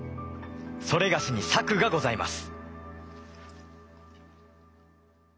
それがしに策がございます。